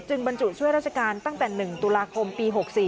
บรรจุช่วยราชการตั้งแต่๑ตุลาคมปี๖๔